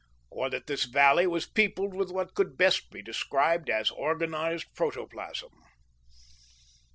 Or that this valley was peopled with what could best be described as organized protoplasm?